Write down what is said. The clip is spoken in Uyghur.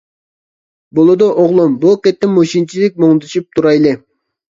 بولىدۇ ئوغلۇم، بۇ قېتىم مۇشۇنچىلىك مۇڭدىشىپ تۇرايلى!